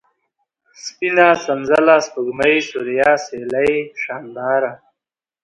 سپينه ، سنځله ، سپوږمۍ ، سوریا ، سېلۍ ، شانداره